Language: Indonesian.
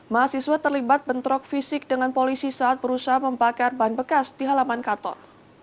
mahasiswa terlibat bentrok fisik dengan polisi saat berusaha membakar ban bekas di halaman kantor